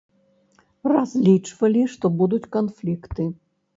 Разлічвалі, што будуць канфлікты.